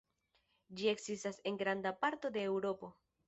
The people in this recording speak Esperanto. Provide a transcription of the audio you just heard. Ĝi ekzistas en granda parto de Eŭropo.